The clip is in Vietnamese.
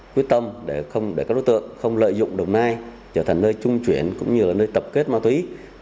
quyết tâm để không để các đối tượng không lợi dụng đồng nai trở thành nơi trung chuyển cũng như là nơi tập kết ma túy